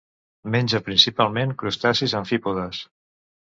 Menja principalment crustacis amfípodes.